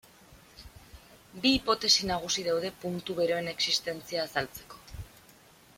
Bi hipotesi nagusi daude puntu beroen existentzia azaltzeko.